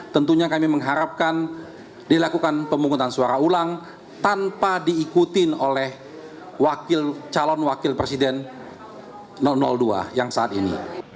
tentunya kami mengharapkan dilakukan pemungutan suara ulang tanpa diikutin oleh calon wakil presiden dua yang saat ini